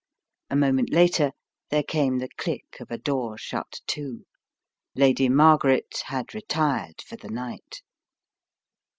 A moment later there came the click of a door shut to. Lady Margaret had retired for the night.